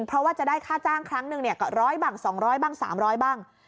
เพราะว่าจะได้ค่าจ้างครั้งหนึ่งก็๑๐๐บ้าง๒๐๐บ้าง๓๐๐บ้าง